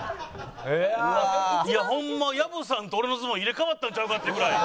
いやホンマ藪さんと俺のズボン入れ替わったんちゃうかっていうぐらい。